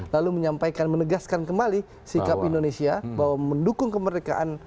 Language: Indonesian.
lalu menyampaikan menegaskan kembali sikap indonesia bahwa mendukung kemerdekaan